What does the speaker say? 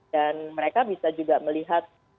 dan mereka bisa juga melihat